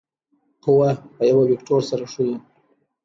قوه په یو وکتور سره ښیو.